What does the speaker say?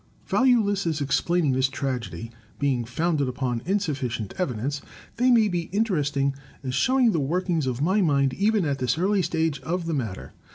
Valueless as explaining this tragedy, being founded upon insuffi cient evidence, they may be interesting as showing the workings of my mind even at this early stage of the matter.